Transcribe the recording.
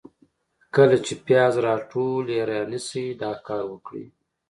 کله چي پیاز راټول یا رانیسئ ، دا کار وکړئ: